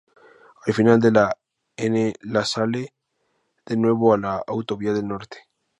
Al final de la N-Ia sale de nuevo a la Autovía del Norte.